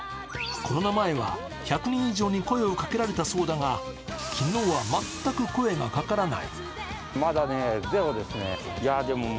コロナ前は１００人以上に声をかけられたそうだが、昨日は全く声がかからない。